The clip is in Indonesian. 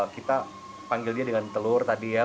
kita panggil dia dengan telur tadi ya